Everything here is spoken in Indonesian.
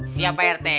siap pak rt